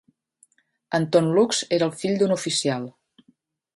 Anton Lux era el fill d'un oficial.